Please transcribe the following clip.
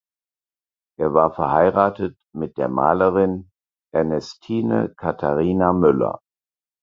Er war verheiratet mit der Malerin Ernestine Katharina Müller.